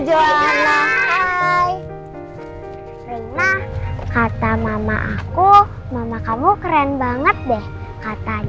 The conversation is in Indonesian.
oke gue mau dimakai looked got tebingi rek adjust